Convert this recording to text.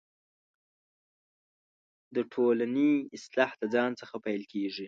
دټولنۍ اصلاح دځان څخه پیل کیږې